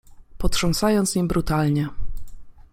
potrząsając nim brutalnie....